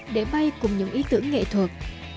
để bay cùng những ý tưởng nghệ thuật